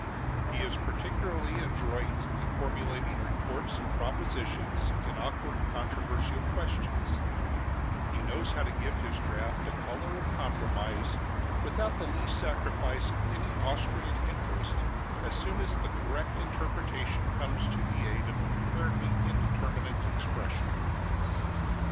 He is particularly adroit in formulating reports and propositions in awkward controversial questions; he knows how to give his draught a color of compromise without the least sacrifice of any Austrian interest, as soon as the correct interpretation comes to the aid of the apparently indeterminate expression.